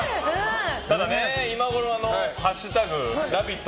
ただ、今頃は「＃ラヴィット！